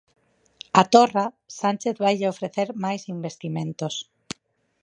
A Torra, Sánchez vaille ofrecer máis investimentos.